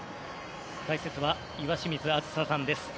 解説は岩清水梓さんです。